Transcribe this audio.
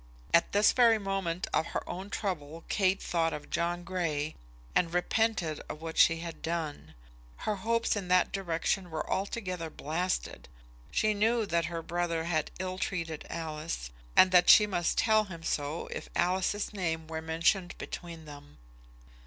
At this very moment of her own trouble Kate thought of John Grey, and repented of what she had done. Her hopes in that direction were altogether blasted. She knew that her brother had ill treated Alice, and that she must tell him so if Alice's name were mentioned between them.